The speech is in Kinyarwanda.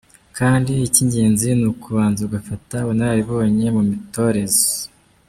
Kandi icy’ingenzi ni ukubanza ugafata ubunararibonye mu mitoreze.